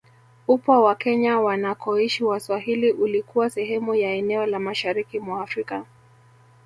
Upwa wa Kenya wanakoishi Waswahili ulikuwa sehemu ya eneo la mashariki mwa Afrika